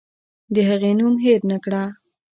د هغې نوم هېر نکړه.